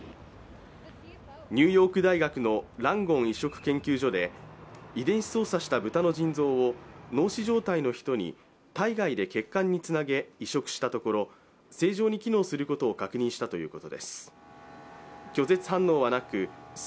ニューヨーク大学のランゴン移植研究所で遺伝子操作した豚の腎臓を脳死状態の人に体外で血管につなげ移殖したところ正常に機能することを確認したということです。